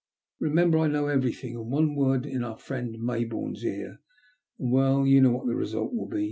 " Remember I know everything, and one word in our friend Mayboume's ear, and— well— you know what the result will be.